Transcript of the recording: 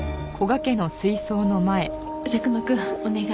佐久間くんお願い。